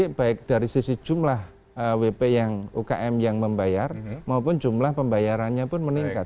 jadi baik dari sisi jumlah wp yang ukm yang membayar maupun jumlah pembayarannya pun meningkat